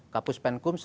kapus penkum sepertinya